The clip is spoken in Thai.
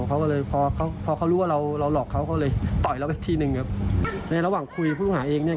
เขาก็เลยพอเขาพอเขารู้ว่าเราเราหลอกเขาเขาเลยต่อยเราไปทีหนึ่งครับในระหว่างคุยผู้ต้องหาเองเนี่ย